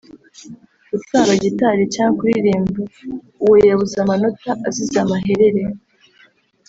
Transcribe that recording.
gucuranga gitari cyangwa kuririmba uwo yabuze amanota azize amaherere